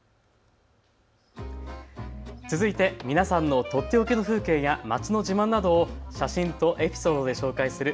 続いて皆さんのとっておきの風景や街の自慢などを写真とエピソードで紹介する＃